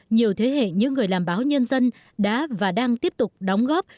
nhiều thế hệ những người làm báo nhân dân đã và đang tiếp tục đóng góp